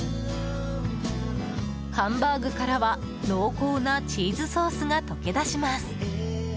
ハンバーグからは、濃厚なチーズソースが溶け出します。